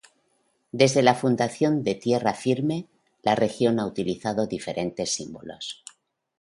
Desde la fundación de Tierra Firme, la región ha utilizado diferentes símbolos.